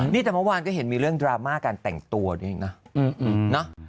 นี่แต่เมื่อวานก็เห็นมีเรื่องดราม่าการแต่งตัวด้วยนะ